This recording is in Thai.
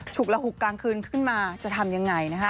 กระหุกกลางคืนขึ้นมาจะทำยังไงนะคะ